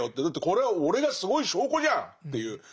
だってこれは俺がすごい証拠じゃんっていう。